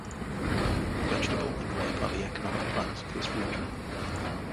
Vegetable and rape are the economic plants of this region.